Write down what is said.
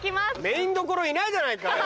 メインどころいないじゃないかよ。